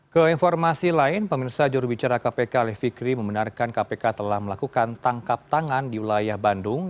keinformasi lain pemirsa juru bicara kpk alif fikri membenarkan kpk telah melakukan tangkap tangan di wilayah bandung